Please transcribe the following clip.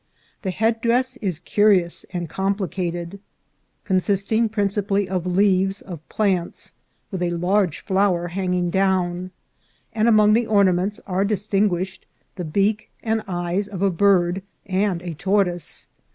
The headdress is curious and complicated, consisting principally of leaves of plants, with a large flo\ter hanging down ; and among the ornaments are distinguished the beak and eyes of a bird, and a tortoise.